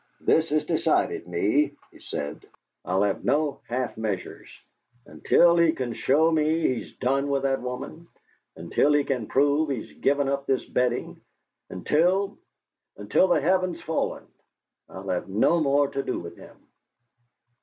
"This has decided me," he said. "I'll have no half measures. Until he can show me he's done with that woman, until he can prove he's given up this betting, until until the heaven's fallen, I'll have no more to do with him!"